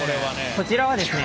こちらはですね